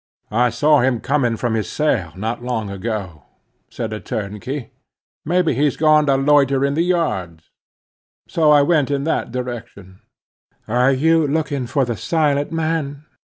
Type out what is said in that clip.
"I saw him coming from his cell not long ago," said a turnkey, "may be he's gone to loiter in the yards." So I went in that direction. "Are you looking for the silent man?"